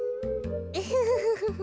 ウフフフ。